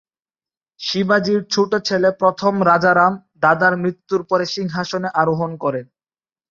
শিবাজীর ছোট ছেলে প্রথম রাজারাম, দাদার মৃত্যুর পরে সিংহাসনে আরোহণ করেন।